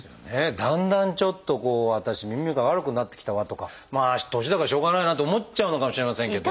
だんだんちょっと私耳が悪くなってきたわとかまあ年だからしょうがないなと思っちゃうのかもしれませんけど。